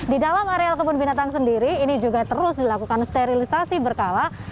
di dalam areal kebun binatang sendiri ini juga terus dilakukan sterilisasi berkala